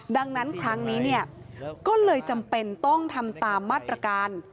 ดังนั้นครั้งนี้ก็เลยจำเป็นต้องทำตามมาตรการ